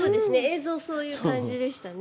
映像そういう感じでしたね。